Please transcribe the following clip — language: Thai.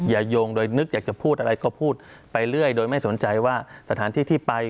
โยงโดยนึกอยากจะพูดอะไรก็พูดไปเรื่อยโดยไม่สนใจว่าสถานที่ที่ไป